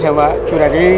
jangan lupa curaling